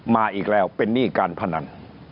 มาอีกแล้วเป็นหนี้การพนัน